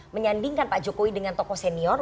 menyandingkan pak jokowi dengan tokoh senior